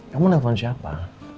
kamu nelfon siapa